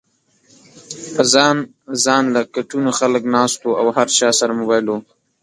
پۀ ځان ځانله کټونو خلک ناست وو او هر چا سره موبايل ؤ